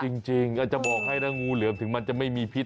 จริงอาจจะบอกให้นะงูเหลือมถึงมันจะไม่มีพิษ